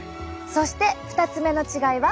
そして２つ目の違いは。